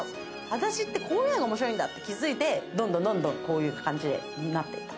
私ってこういうのが面白いんだって気付いてどんどんどんどんこういう感じになっていった。